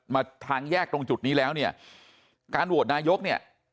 มาทางแยกตรงจุดนี้แล้วเนี่ยการโหวตนายกเนี่ย